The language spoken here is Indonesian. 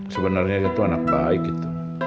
sebenernya dia tuh anak baik gitu